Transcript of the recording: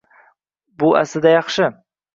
Bu aslida yaxshi.